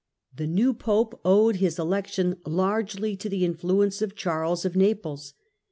The new Pope owed his election largely to the influence of Charles of Naples.